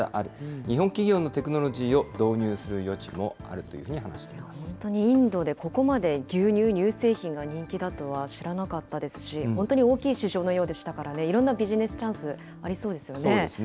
日本企業のテクノロジーを導入する余地もあるというふうに話して本当に、インドでここまで牛乳、乳製品が人気だとは知らなかったですし、本当に大きい市場のようでしたからね、いろんなビジネスチャンス、ありそうですよね。